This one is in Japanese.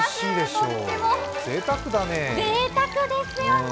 とってもぜいたくですよね。